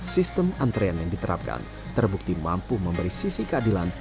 sistem antrean yang diterapkan terbukti mampu memberi sisi keadilan